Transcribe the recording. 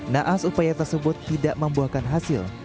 naas upaya tersebut tidak membuahkan hasil